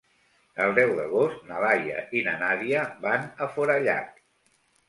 El deu d'agost na Laia i na Nàdia van a Forallac.